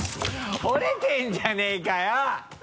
折れてるじゃねぇかよ！